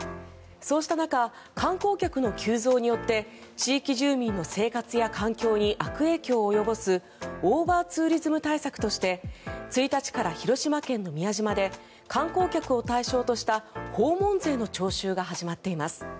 そうした中観光客の急増によって地域住民の生活や環境に悪影響を及ぼすオーバーツーリズム対策として１日から広島県の宮島で観光客を対象とした訪問税の徴収が始まっています。